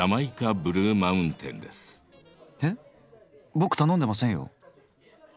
ボク頼んでませんよ。